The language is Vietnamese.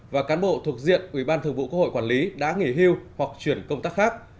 và cán bộ thuộc diện ubthqh quản lý đã nghỉ hưu hoặc chuyển công tác khác